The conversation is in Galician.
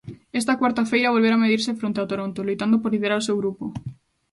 Esta cuarta feira volveran medirse fronte a Toronto, loitando por liderar o seu grupo.